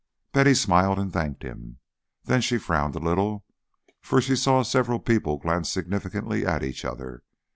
Betty smiled and thanked him; then she frowned a little, for she saw several people glance significantly at each other.